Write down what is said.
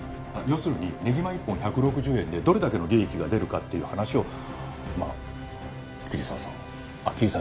要するにねぎま１本１６０円でどれだけの利益が出るかっていう話をまあ桐沢さんあっ桐沢先生が。